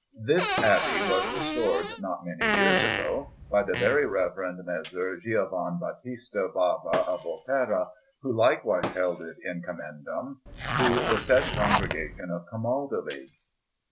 This abbey was restored not many years ago by the Very Reverend Messer Giovan Batista Bava of Volterra, who likewise held it "in commendam," to the said Congregation of Camaldoli.